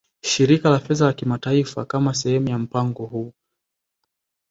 Shirika la Fedha la Kimataifa Kama sehemu ya mpango huu